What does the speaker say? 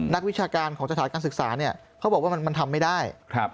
นักวิชาการของจริงประการการศึกษาเนี่ยเขาบอกว่ามันทำไม่ได้